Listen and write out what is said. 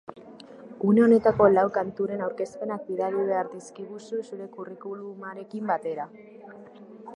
Une honetako lau kanturen aurkezpenak bidali behar dizkiguzu zure curriculumarekin batera.